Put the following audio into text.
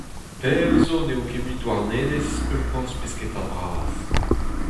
Pell zo n'eo ket mui Douarnenez ur porzh-pesketa bras.